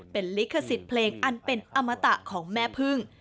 เป็นลิขสิทธิ์เพลงอันเป็นอมตะของแม่พึ่ง